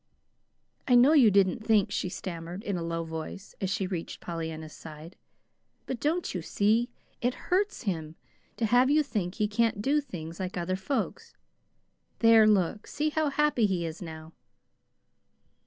"I know you didn't think," she stammered in a low voice, as she reached Pollyanna's side. "But, don't you see? it HURTS him to have you think he can't do things like other folks. There, look! See how happy he is now."